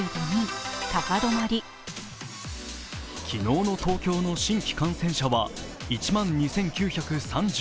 昨日の東京の新規感染者は１万２９３５人。